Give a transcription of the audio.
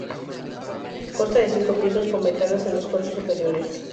Consta de cinco pisos con ventanas en los cuatro superiores.